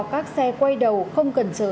các xe quay đầu không cần chờ